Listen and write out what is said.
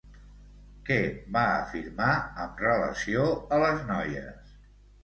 Què va afirmar, amb relació a les noies?